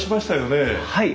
はい。